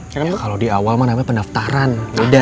ya kalo di awal mah namanya pendaftaran beda